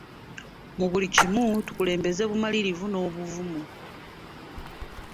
Mu buli kimu tukulembeza bumalirivu n'obuvumu.